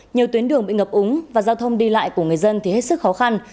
nhiều tuyến đường bị ngập úng và giao thông đi lại của người dân thì hết sức khó khăn